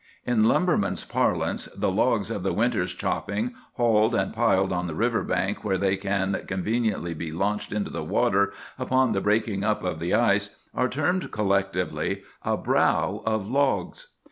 "In lumbermen's parlance, the logs of the winter's chopping, hauled and piled on the river bank where they can conveniently be launched into the water upon the breaking up of the ice, are termed collectively 'a brow of logs.